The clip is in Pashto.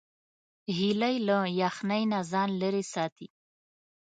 هیلۍ له یخنۍ نه ځان لیرې ساتي